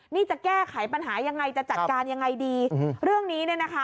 นี่จะแก้ไขปัญหายังไงจะจัดการยังไงดีเรื่องนี้เนี่ยนะคะ